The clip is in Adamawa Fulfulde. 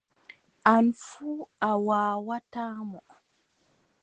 An fuu a waawataa mo.